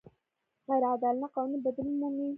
غیر عادلانه قوانین بدلون مومي.